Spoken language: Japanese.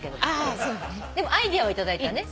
でもアイデアを頂いたね。